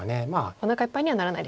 おなかいっぱいにはならない。